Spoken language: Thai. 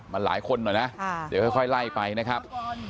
มันหลายคนหน่อยนะเดี๋ยวค่อยไล่ไปนะครับ